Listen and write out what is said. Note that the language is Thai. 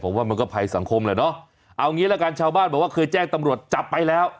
ผมว่ามันก็ภัยสังคมแหละเนอะเอางี้ละกันชาวบ้านบอกว่าเคยแจ้งตำรวจจับไปแล้ว